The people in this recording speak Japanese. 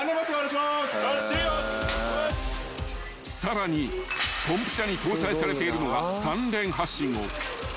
［さらにポンプ車に搭載されているのが］